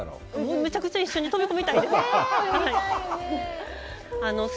めちゃくちゃ一緒に飛び込みたいです。